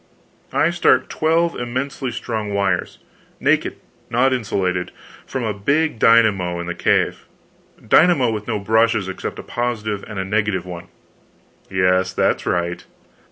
"I start twelve immensely strong wires naked, not insulated from a big dynamo in the cave dynamo with no brushes except a positive and a negative one " "Yes, that's right."